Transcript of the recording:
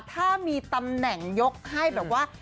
ถ้ามีตำแหน่งยกให้แบบว่า